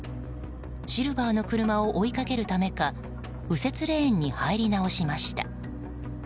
シルバーの車を追いかけるためか右折レーンに入り直しました。